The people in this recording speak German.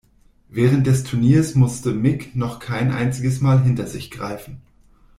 Während des Turniers musste Mick noch kein einziges Mal hinter sich greifen.